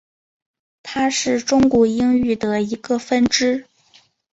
它是中古英语的一个分支。